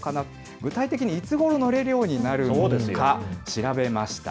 具体的にいつごろ乗れるようになるのか、調べました。